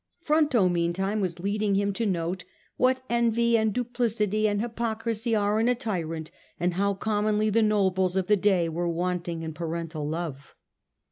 Fronto meantime was leading him to note 'what envy and duplicity and hypocrisy are in a tyrant, and how commonly the nobles of the day were wanting 'n parental love.